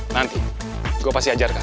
nanti gue pasti ajarkan